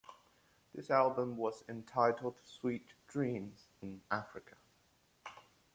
This album was entitled "Sweet Dreams" in Africa.